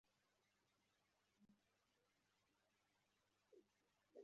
Umukozi wambaye ikoti rya orange arimo gukoresha amasuka